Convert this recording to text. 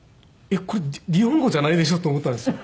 これ日本語じゃないでしょ？と思ったんですよ。